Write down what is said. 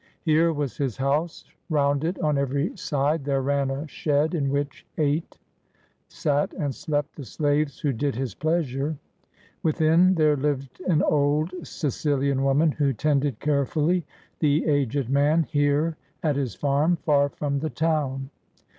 Here was his house; round it on every side there ran a shed, in which ate, sat, and slept the slaves who did his pleasure. Within, there lived an old Sicilian woman, who tended carefully the aged man here at his farm, far from the town.